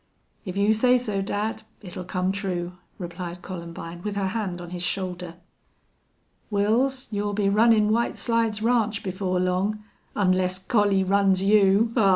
"If you say so, dad, it'll come true," replied Columbine, with her hand on his shoulder. "Wils, you'll be runnin' White Slides Ranch before long, unless Collie runs you. Haw!